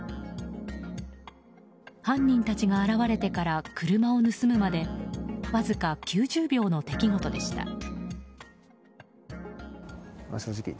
犯人たちが現れてから車を盗むまでわずか９０秒の出来事でした。